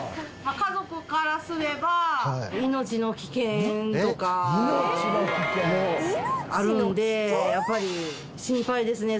家族からすれば命の危険とかもあるんでやっぱり心配ですね